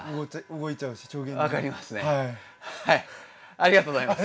ありがとうございます。